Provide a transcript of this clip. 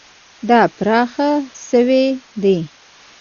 دا پراخ شوی دی.